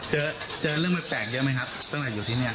เจอเรื่องแปลกเยอะไหมครับสั้นหรัฐอยู่ที่นี่